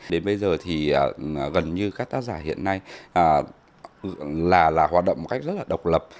đến bây giờ thì gần như các tác giả hiện nay là hoạt động một cách rất là độc lập